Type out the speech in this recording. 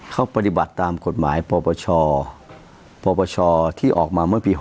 เขาปฏิบัติตามกฎหมายปปชปปชที่ออกมาเมื่อปี๖๐